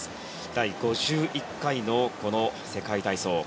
第５１回のこの世界体操。